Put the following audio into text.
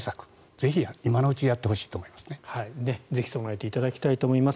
ぜひ今のうちにやってほしいと思います。